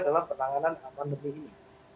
dalam penanganan pandemi ini